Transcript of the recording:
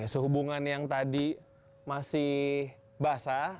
sehubungan yang tadi masih basah